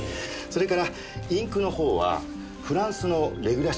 それからインクの方はフランスのレグラ社。